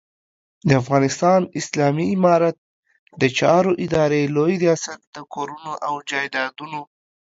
د افغانستان اسلامي امارت د چارو ادارې لوی رياست د کورونو او جایدادونو